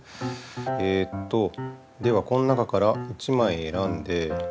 えっとではこの中から１枚えらんで。